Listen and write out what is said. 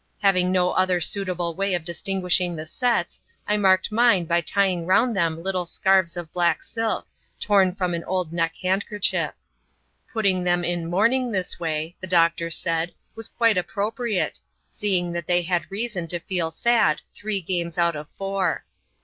Having no other SEuitable way of distinguishing the sets, I marked mine by tying round them little scarfs of black silk, torn from an old neck handkerchief. Puttuig them in mourning this way, the doctor said, was quite appropriate, seeing that they had reason to feel sad three games out of four.